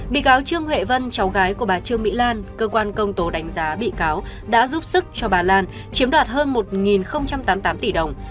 bị cáo trương huệ vân cháu gái của bà trương mỹ lan cơ quan công tố đánh giá bị cáo đã giúp sức cho bà lan chiếm đoạt hơn một tám mươi tám tỷ đồng